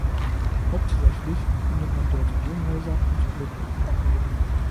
Hauptsächlich findet man dort Wohnhäuser und -blöcke.